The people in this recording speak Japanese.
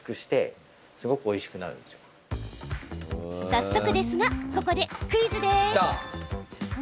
早速ですが、ここでクイズです。